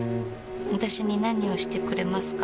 私に何をしてくれますか？